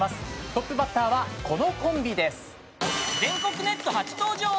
トップバッターはこのコンビです。